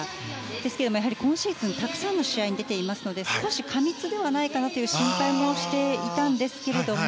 ですけども、今シーズンたくさんの試合に出ていますので少し過密ではないかなという心配もしていたんですけれども。